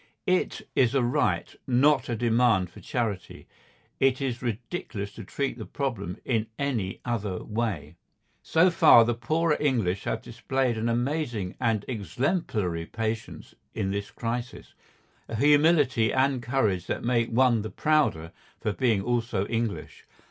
It is a right; not a demand for charity. It is ridiculous to treat the problem in any other way. So far the poorer English have displayed an amazing and exemplary patience in this crisis, a humility and courage that make one the prouder for being also English.